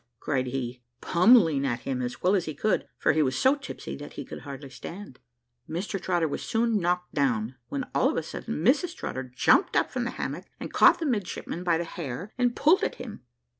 cried he, pummelling at him as well as he could, for he was so tipsy that he could hardly stand. Mr Trotter was soon knocked down, when all of a sudden Mrs Trotter jumped up from the hammock, and caught the midshipman by the hair, and pulled at him.